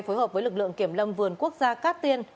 phối hợp với lực lượng kiểm lâm vườn quốc gia cát tiên